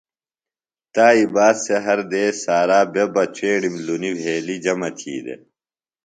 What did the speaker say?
تایئ باد سےۡ ہر دیس سارا بےۡ بہ چیݨیم لُنی وھیلیۡ جمع تھی دےۡ۔